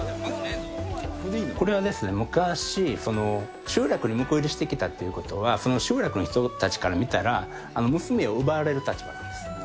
これはですね、昔、集落にむこ入りしてきたということは、その集落の人たちから見たら、娘を奪われる立場です。